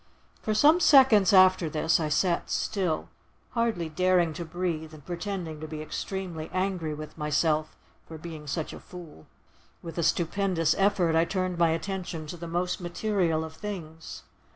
For some seconds after this I sat still, hardly daring to breathe, and pretending to be extremely angry with myself for being such a fool. With a stupendous effort I turned my attention to the most material of things.